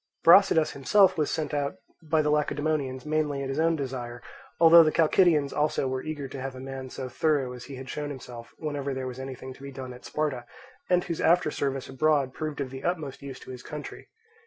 Brasidas himself was sent out by the Lacedaemonians mainly at his own desire, although the Chalcidians also were eager to have a man so thorough as he had shown himself whenever there was anything to be done at Sparta, and whose after service abroad proved of the utmost use to his country.